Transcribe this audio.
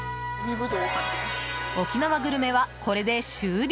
沖縄グルメは、これで終了！